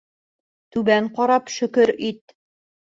Түбән ҡарап шөкөр ит.